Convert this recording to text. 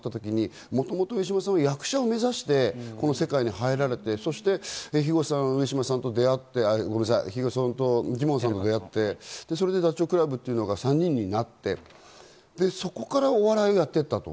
もともと上島さんは役者を目指してこの世界に入られて、肥後さん、上島さんと出会って、ごめんなさい、ジモンさんと出会って、ダチョウ倶楽部というのが３人になってそこからお笑いをやっていたと。